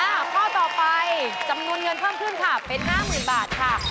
ข้อต่อไปจำนวนเงินเพิ่มขึ้นค่ะเป็น๕๐๐๐บาทค่ะ